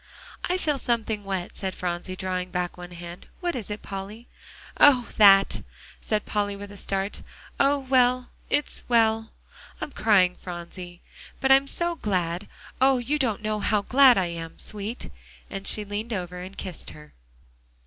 "I feel something wet," said Phronsie, drawing back one hand. "What is it, Polly?" "Oh! that," said Polly with a start. "Oh well, it's well, I'm crying, Phronsie; but I'm so glad oh! you don't know how glad I am, sweet," and she leaned over and kissed her.